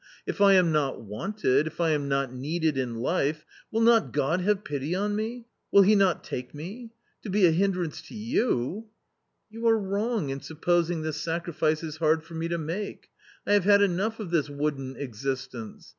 If I am not wanted, if I am not needed in life .... will not God have pity on me, will He not take me ? To be a hin drance to you "" You are wrong in supposing this sacrifice is hard for me to make. I have had enough of this wooden existence